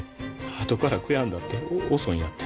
あとから悔やんだって遅いんやて。